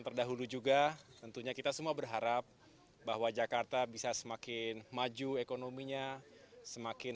terdahulu juga tentunya kita semua berharap bahwa jakarta bisa semakin maju ekonominya semakin